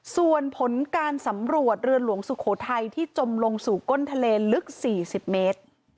ส่วนผลการสำรวจเรือหลวงสุโขทัยที่จมลงสู่ก้นทะเลลึก๔๐เมตร